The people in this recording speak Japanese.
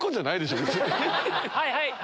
はいはい！